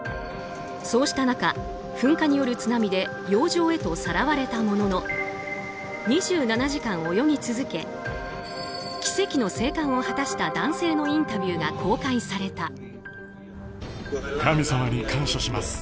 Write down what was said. そうした中、噴火による津波で洋上へとさらわれたものの２７時間、泳ぎ続け奇跡の生還を果たした男性のインタビューが公開された。